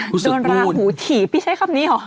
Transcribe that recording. เดี๋ยวโดนลาหูถีบพี่ใช้คำนี้หรอ